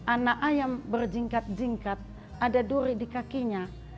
anak ayam berjingkat jingkat ada duri di kakinya